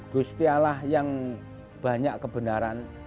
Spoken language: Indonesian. gusti allah yang banyak kebenaran